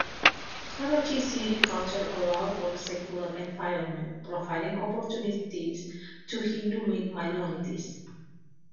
Karachi's city culture allows for a secular environment, providing opportunities to Hindu minorities.